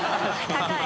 高い。